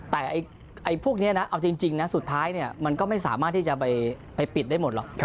แต่พวกนี้นะเอาจริงนะสุดท้ายมันก็ไม่สามารถที่จะไปปิดได้หมดหรอก